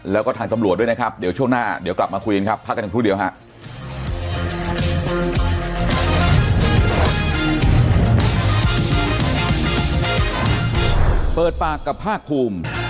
เราเปิดปากกับห้าคลุม